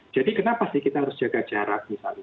jadi kenapa sih kita harus jaga jarak misalnya